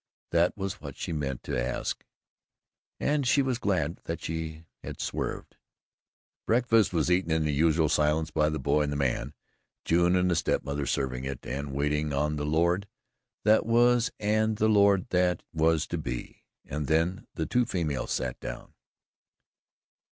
That was what she meant to ask and she was glad that she had swerved. Breakfast was eaten in the usual silence by the boy and the man June and the step mother serving it, and waiting on the lord that was and the lord that was to be and then the two females sat down.